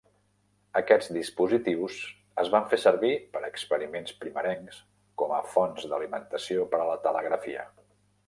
Aquests dispositius es van fer servir per experiments primerencs com a fonts d'alimentació per a telegrafia.